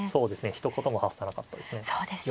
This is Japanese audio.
ひと言も発さなかったですね。